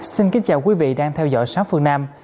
xin kính chào quý vị đang theo dõi sáng phương nam